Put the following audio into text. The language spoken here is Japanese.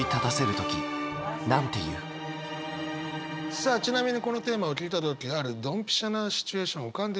さあちなみにこのテーマを聞いた時あるドンピシャなシチュエーション浮かんできました。